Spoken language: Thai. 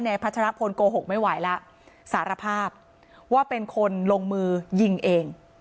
พัชรพลโกหกไม่ไหวแล้วสารภาพว่าเป็นคนลงมือยิงเอง